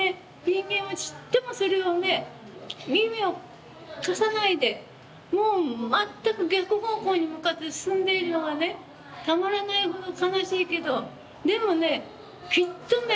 人間はちっともそれをね耳を貸さないでもう全く逆方向に向かって進んでいるのがねたまらないほど悲しいけどでもねきっとね